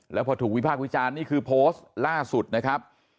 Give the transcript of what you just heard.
แล้วพอถูกวิพากษ์วิจารณ์นี่คือโพสต์ล่าสุดนะครับ